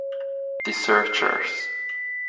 The Searchers